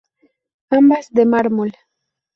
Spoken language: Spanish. Ambas de mármol.